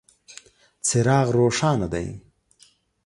څراغ روښانه دی .